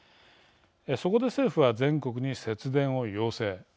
そこで、政府は全国に節電を要請。